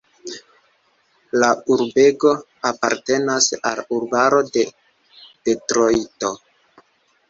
La urbego apartenas al urbaro de Detrojto.